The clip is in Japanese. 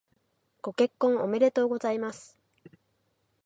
ご結婚おめでとうございます。